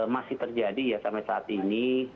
masih terjadi ya sampai saat ini